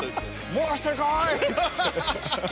「もう一人来い！」。